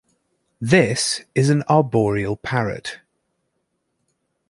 This is an arboreal parrot.